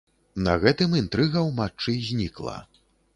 На гэтым інтрыга ў матчы знікла.